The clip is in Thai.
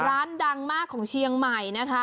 ร้านดังมากของเชียงใหม่นะคะ